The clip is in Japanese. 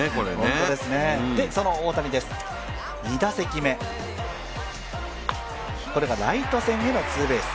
ホントですね、その大谷です、２打席目、これがライト線へのツーベース。